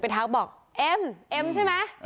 ทักบอกเอ็มเอ็มใช่ไหม